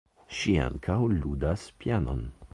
Ŝi ankaŭ ludas pianon.